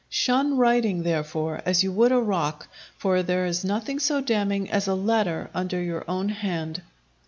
Shun writing, therefore, as you would a rock, for there is nothing so damning as a letter under your own hand.